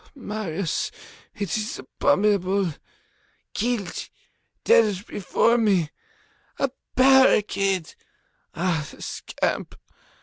Marius! It is abominable! Killed! Dead before me! A barricade! Ah, the scamp!